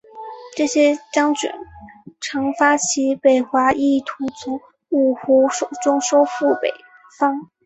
这些将军常发起北伐意图从五胡手中收复北方。